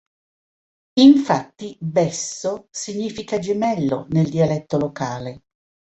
Infatti "Besso" significa gemello nel dialetto locale.